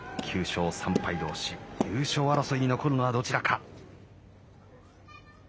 ９勝３敗どうし、優勝争いに残るのはどちらか。